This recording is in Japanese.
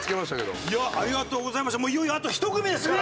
もういよいよあと１組ですから。